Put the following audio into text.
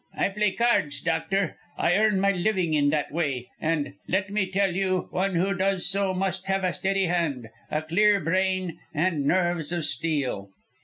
"I play cards, doctor. I earn my living in that way; and, let me tell you, one who does so must have a steady hand, a clear brain, and nerves of steel."